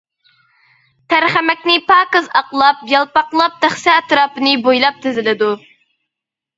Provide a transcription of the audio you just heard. تەرخەمەكنى پاكىز ئاقلاپ يالپاقلاپ تەخسە ئەتراپىنى بويلاپ تىزىلىدۇ.